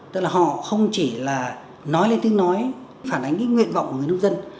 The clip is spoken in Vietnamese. tức là họ không chỉ nói lên tiếng nói phản ánh nguyện vọng của người nông dân